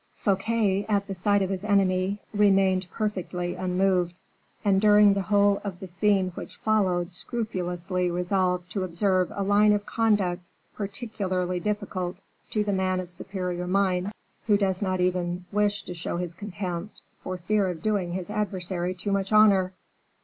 Fouquet, at sight of his enemy, remained perfectly unmoved, and during the whole of the scene which followed scrupulously resolved to observe a line of conduct particularly difficult to the man of superior mind, who does not even wish to show his contempt, for fear of doing his adversary too much honor.